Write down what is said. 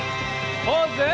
ポーズ！